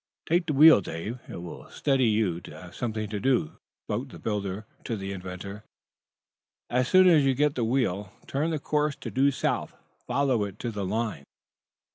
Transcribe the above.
"Take the wheel, Dave; it will steady you to have something to do," spoke the builder to the inventor. "As soon as you get the wheel, turn the course to due south. Follow it to the line."